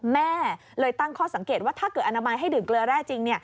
แม่เลยตั้งข้อสังเกตว่าถ้าเกิดอนามัยให้ดื่มเกลือแร่จริง